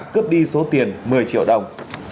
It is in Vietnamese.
cướp đi số tiền một mươi triệu đồng